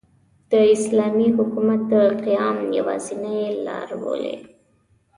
د اسلامي حکومت د قیام یوازینۍ لاربولي.